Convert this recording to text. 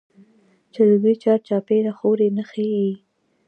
چې د دوى چار چاپېر خورې نښي ئې